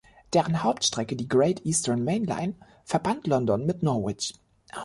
Deren Hauptstrecke, die Great Eastern Main Line, verband London mit Norwich.